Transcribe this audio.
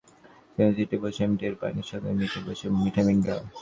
রিকশার সিটে বসে আমি টের পাই, নিঃশব্দে মিঠেল হাসে বাদশা মিঞা।